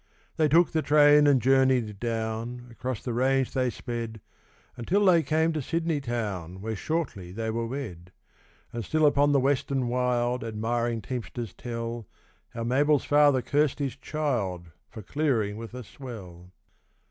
They took the train and journeyed down Across the range they sped Until they came to Sydney town, Where shortly they were wed. And still upon the western wild Admiring teamsters tell How Mabel's father cursed his child For clearing with a swell.